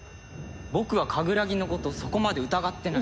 僕はカグラギのことそこまで疑ってない。